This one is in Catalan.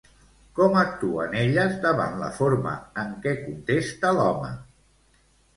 Com actuen elles davant la forma en què contesta l'home?